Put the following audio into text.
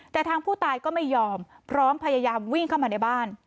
แต่ทางผู้ตายก็ไม่ยอมพร้อมพยายามวิ่งเข้ามาในบ้าน